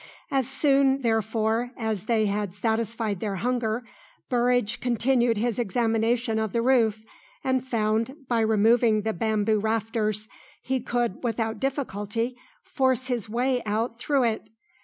As soon, therefore, as they had satisfied their hunger, Burridge continued his examination of the roof, and found, by removing the bamboo rafters, he could without difficulty force his way out through it.